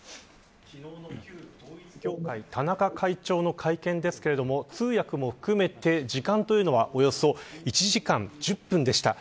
昨日の旧統一教会田中会長の会見ですが通訳も含めて、時間というのはおよそ１時間１０分でした。